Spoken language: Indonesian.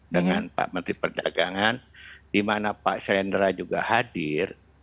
dengan pak menteri perdagangan di mana pak selendra juga hadir